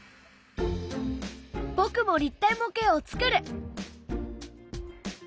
僕も立体模型を作る！